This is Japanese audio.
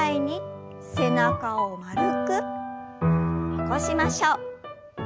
起こしましょう。